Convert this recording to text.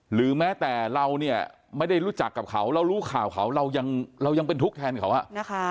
หรือแม้แต่เราเนี่ยไม่ได้รู้จักกับเขาเรารู้ข่าวเขาเรายังเรายังเป็นทุกข์แทนเขาอ่ะนะคะ